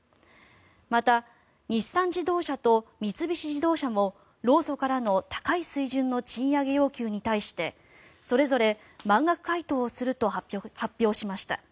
また、日産自動車と三菱自動車も労組からの高い水準の賃上げ要求に対してそれぞれ満額回答をすると発表しました。